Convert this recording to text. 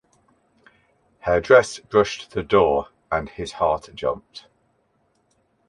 Her dress brushed the door, and his heart jumped.